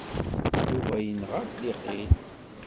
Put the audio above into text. Yuba yenɣa-t Liqin.